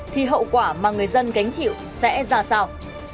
thì hậu quả mà người dân gánh chịu sẽ ra sao